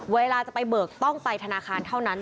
เวลาจะไปเบิกต้องไปธนาคารเท่านั้น